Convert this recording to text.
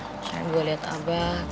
misalnya gue liat abah